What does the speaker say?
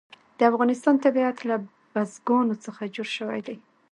د افغانستان طبیعت له بزګانو څخه جوړ شوی دی.